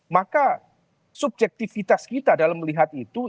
maka subjektivitas kita dalam melihat itu